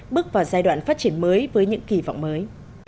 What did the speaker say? bước vào giai đoạn phát triển mới với những kỳ vọng mới